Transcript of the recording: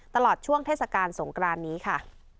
ตลอดช่วงเทศกาลสงกรานนี้ค่ะ